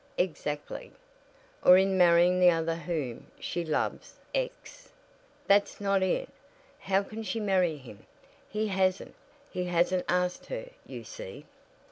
"Exactly. Or in marrying the other whom she loves ex " "That's not it. How can she marry him? He hasn't he hasn't asked her, you see."